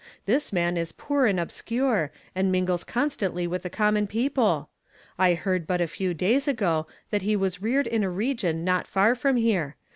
This man is poor and obscure, and mingles constantly with the common people. I heard but a few days ago that he was reared in a region not far from here.